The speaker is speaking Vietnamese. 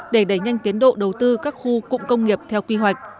để đẩy nhanh tiến độ đầu tư các khu cụm công nghiệp theo quy hoạch